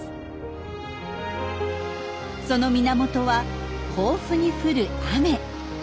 その源は豊富に降る雨。